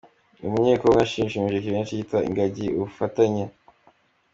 Uyu Munyekongo yashimishije benshi yita ingagi ‘Ubufatanye’.